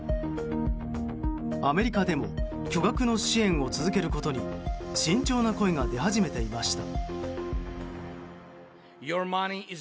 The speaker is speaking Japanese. アメリカでも巨額の支援を続けることに慎重な声が出始めていました。